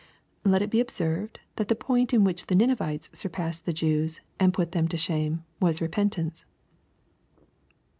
Let it be observed, that the point in which the Ninevites surpassed the Jews, and put them to shame, was repentance.